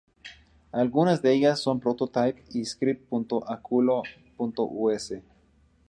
Algunas de ellas son Prototype y Script.aculo.us.